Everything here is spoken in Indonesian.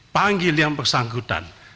panggil yang bersangkutan